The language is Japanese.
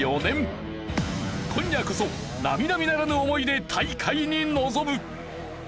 今夜こそ並々ならぬ思いで大会に臨む！